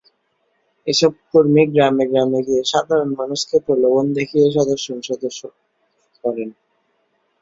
এসব কর্মী গ্রামে গ্রামে গিয়ে সাধারণ মানুষকে প্রলোভন দেখিয়ে সদস্য সংগ্রহ করেন।